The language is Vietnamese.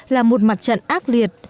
là một mặt trận ác liệt